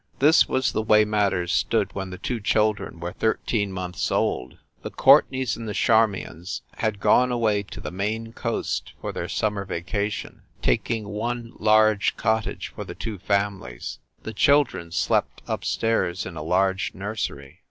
This was the way matters stood when the two children were thirteen months old. The Courte nays and the Charmions had gone away to the Maine coast for their summer vacation, taking one large cottage for the two families. The children slept up stairs in a large nursery.